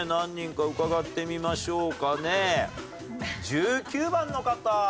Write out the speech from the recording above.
１９番の方。